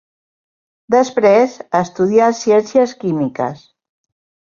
Després, estudià Ciències Químiques.